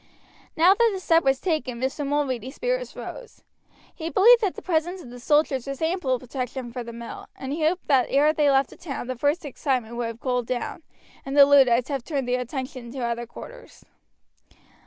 Now that the step was taken, Mr. Mulready's spirits rose. He believed that the presence of the soldiers was ample protection for the mill, and he hoped that ere they left the town the first excitement would have cooled down, and the Luddites have turned their attention to other quarters.